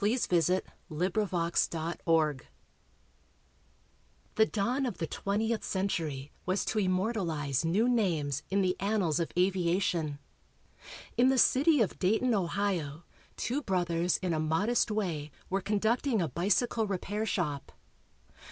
The Wright Brothers and Their Problem The dawn of the twentieth century was to immortalize new names in the annals of aviation. In the city of Dayton, Ohio, two brothers in a modest way were conducting a bicycle repair shop.